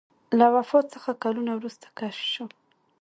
له وفات څخه کلونه وروسته کشف شو.